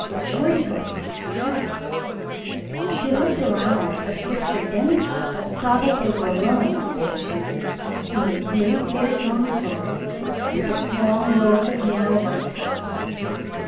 Joyce was distressed; she looked around for Sister Denisa, but saw that they were alone, they two, in the great bare dormitory, with its long rows of narrow white cots.